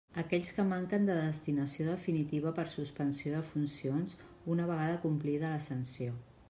Aquells que manquen de destinació definitiva per suspensió de funcions, una vegada complida la sanció.